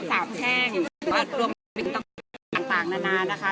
แล้วก็๓แช่งรวมด้วยตั้งถึงต่างนานนะคะ